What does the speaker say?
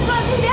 tak buat deh